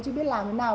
chứ biết làm thế nào